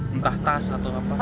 entah tas atau apa